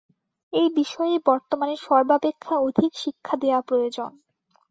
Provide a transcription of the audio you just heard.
এই বিষয়েই বর্তমানে সর্বাপেক্ষা অধিক শিক্ষা দেওয়া প্রয়োজন।